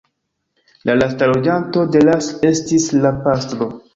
La lasta loĝanto de Las estis la pastro.